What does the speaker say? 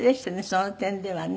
その点ではね。